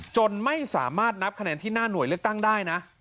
จนไม่สามารถนับคะแนนที่หน้าหน่วยเลือกตั้งได้นะ